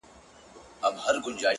څڼي سرې شونډي تكي تـوري سترگي؛